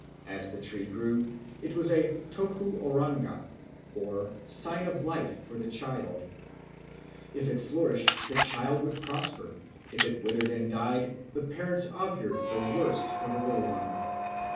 As the tree grew, it was a tohu oranga or sign of life for the child; if it flourished, the child would prosper; if it withered and died, the parents augured the worst for the little one.